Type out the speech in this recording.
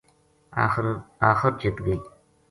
آخر جِت گئی